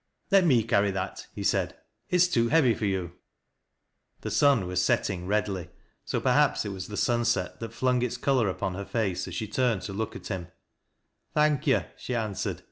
" Let me 'carry that," he said. " It is too heavy for you," The sun was setting redly, so perhaps it was the sun set that flung its color upon her face as she turned to loc>k it hira. "Thank yo'," she answered.